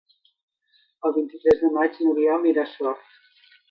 El vint-i-tres de maig n'Oriol irà a Sort.